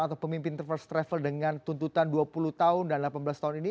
atau pemimpin first travel dengan tuntutan dua puluh tahun dan delapan belas tahun ini